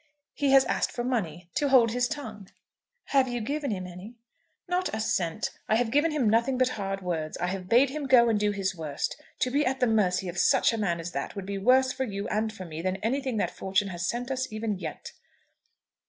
"He has asked for money, to hold his tongue." "Have you given him any?" "Not a cent. I have given him nothing but hard words. I have bade him go and do his worst. To be at the mercy of such a man as that would be worse for you and for me than anything that fortune has sent us even yet."